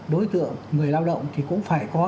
đối tượng người lao động thì cũng phải có